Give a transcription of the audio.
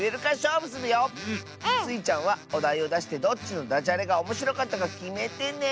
スイちゃんはおだいをだしてどっちのダジャレがおもしろかったかきめてね。